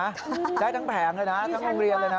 ได้ทั้งแผงเลยนะทั้งโรงเรียนเลยนะ